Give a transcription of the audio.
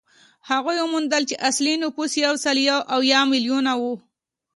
هغوی وموندل چې اصلي نفوس یو سل یو اویا میلیونه وو.